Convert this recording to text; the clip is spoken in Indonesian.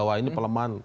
wah ini pelemahan